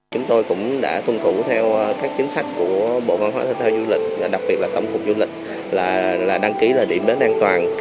chúng tôi cũng đã thuân thủ theo các chính sách của bộ văn hóa thế theo du lịch đặc biệt là tổng cục du lịch là đăng ký là điểm bến an toàn